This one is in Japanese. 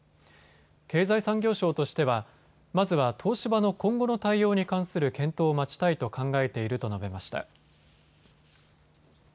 経済産業省としてはまずは東芝の今後の対応に関する検討を待ちたいと考えていると述べました。